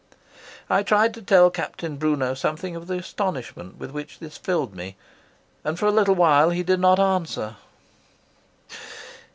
I tried to tell Captain Brunot something of the astonishment with which this filled me, and for a little while he did not answer.